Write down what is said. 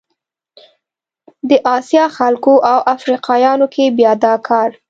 د اسیا خلکو او افریقایانو کې بیا دا کار